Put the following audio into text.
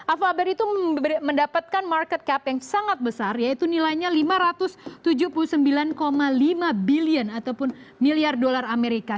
alfaber itu mendapatkan market cap yang sangat besar yaitu nilainya lima ratus tujuh puluh sembilan lima billion ataupun miliar dolar amerika